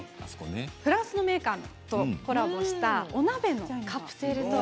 フランスのメーカーとコラボしたお鍋のカプセルトイ。